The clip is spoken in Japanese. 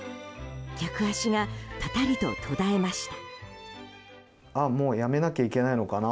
客足がぱたりと途絶えました。